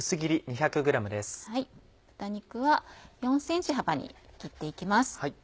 豚肉は４ｃｍ幅に切って行きます。